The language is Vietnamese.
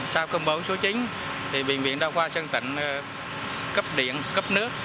sau công bố số chín bệnh viện đã qua sân tỉnh cấp điện cấp nước